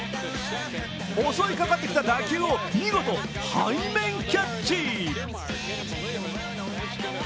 襲いかかってきた打球を見事、背面キャッチ。